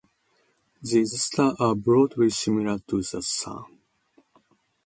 These stars are broadly similar to the Sun.